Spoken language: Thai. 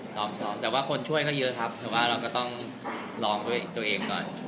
ซ้อมแต่ว่าคนช่วยก็เยอะครับแต่ว่าเราก็ต้องลองด้วยตัวเองก่อน